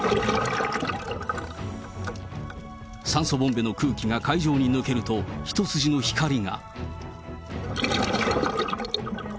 酸素ボンベの空気が海上に抜けると、一筋の光が。